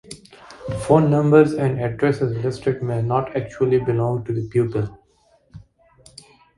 Phone numbers and addresses listed may not actually belong to the pupil.